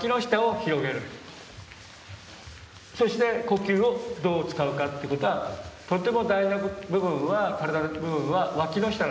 そして呼吸をどう使うかってことはとても大事な部分は身体の部分はわきの下なんです。